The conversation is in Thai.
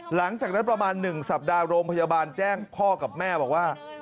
หลังจากนั้นประมาณ๑สัปดาห์โรงพยาบาลแจ้งพ่อกับแม่บอกว่า